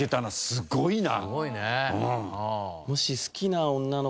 すごいな！